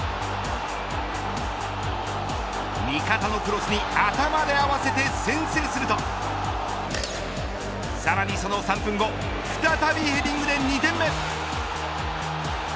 味方のクロスに頭で合わせて先制するとさらにその３分後再びヘディングで２点目。